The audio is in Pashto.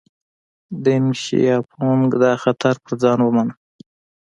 دینګ شیاپونګ دا خطر پر ځان ومانه.